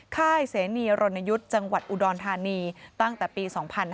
ค่ายเสนีรณยุทธ์จังหวัดอุดรธานีตั้งแต่ปี๒๕๕๙